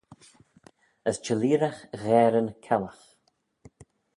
As çhelleeragh gherr yn kellagh.